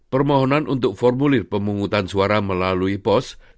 permohonan untuk formulir pemungutan suara melalui pos